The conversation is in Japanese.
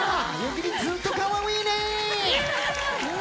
ずっとかわいいねー。